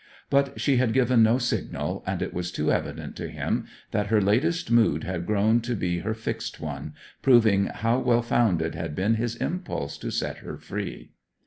But she had given no signal, and it was too evident to him that her latest mood had grown to be her fixed one, proving how well founded had been his impulse to set her free.